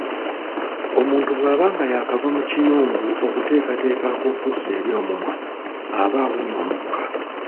Omuntu bw'aba nga yaakava mu kiyungu okuteekateeka ak'okuzza eri omumwa, aba awunya omukka.